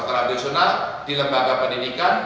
tradisional di lembaga pendidikan